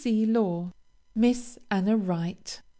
C. LAW. MISS ANNA WRIGHT.